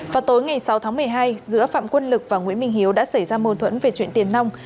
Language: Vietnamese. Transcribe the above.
vào tối ngày sáu tháng một mươi hai giữa phạm quân lực và nguyễn minh hiếu đã xảy ra mâu thuẫn về chuyện tiền nông